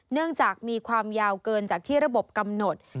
เนื่องจากมีความยาวเกินจากที่ระบบกำหนด